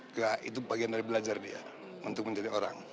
enggak itu bagian dari belajar dia untuk menjadi orang